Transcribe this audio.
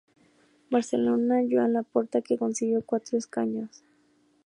Barcelona, Joan Laporta, que consiguió cuatro escaños.